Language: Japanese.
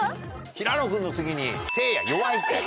平野君の次にせいや弱いって。